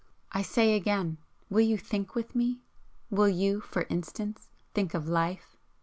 I say again Will you THINK with me? Will you, for instance, think of Life?